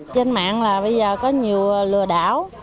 trên mạng là bây giờ có nhiều lừa đảo